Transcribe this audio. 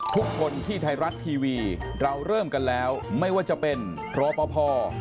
ทุกคนที่ไทยรัฐทีวีเราเริ่มกันแล้วไม่ว่าจะเป็นรอปภ